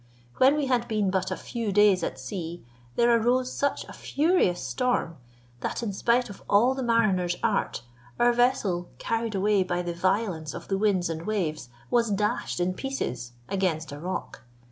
When we had been but a few days at sea, there arose such a furious storm, that, in spite of all the mariners' art, our vessel, carried away by the violence of the winds and waves, was dashed in pieces against a rock.